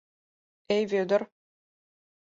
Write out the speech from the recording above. — Эй, Вӧдыр!